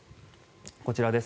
こちらです。